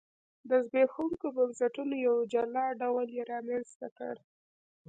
د زبېښونکو بنسټونو یو جلا ډول یې رامنځته کړ.